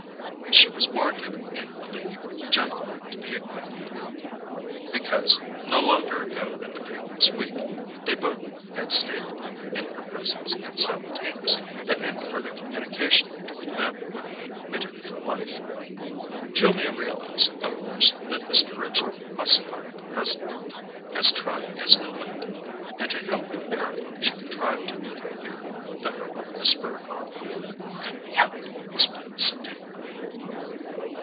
She was warranted in believing the gentlemen to be acquainted, because no longer ago than the previous week they both had stated, in her presence and simultaneously, that any further communication between them would be omitted for life. Julia realized, of course, that Mr. Ridgely must find the present meeting as trying as Newland did, and, to help him bear it, she contrived to make him hear the hurried whisper: "_Couldn't be helped explain some day.